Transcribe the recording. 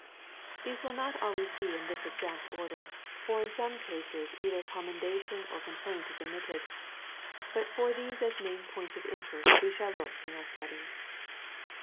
These will not always be in this exact order, for in some cases either commendation or com plaint is omitted, but for these as main points of interest we shall look in our studies.